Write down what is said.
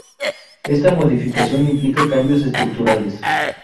Esta modificación implica cambios estructurales.